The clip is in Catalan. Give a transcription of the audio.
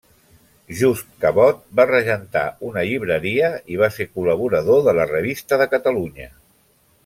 Just Cabot va regentar una llibreria i va ser col·laborador de la Revista de Catalunya.